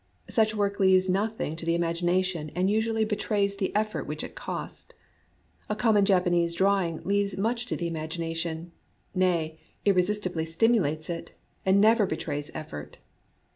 Such work leaves nothing to the imagination, and usually betrays the effort which it cost. A common Japanese drawing leaves much to the imagination, — nay, irresistibly stimulates it, — and never betrays effort.